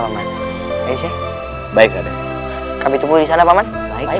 pak man baik baik kami tunggu di sana pak man baik baik